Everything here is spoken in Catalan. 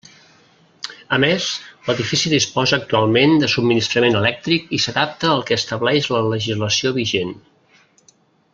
A més, l'edifici disposa actualment de subministrament elèctric i s'adapta al que estableix la legislació vigent.